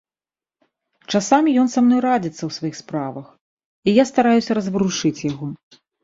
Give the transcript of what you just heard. Часамі ён са мной радзіцца ў сваіх справах, і я стараюся разварушыць яго.